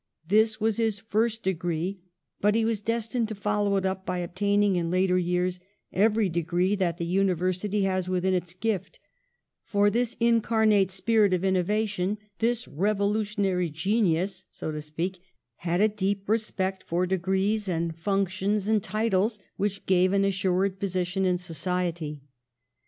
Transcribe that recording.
This was his first degree, but he was destined to follow it up by obtain ing in later years every degree that the Univer sity has within its gift ; for this incarnate spirit of innovation, this revolutionary genius, so to speak, had a deep respect for degrees and func A STUDIOUS BOYHOOD 13 tions and titles which give an assured position in society.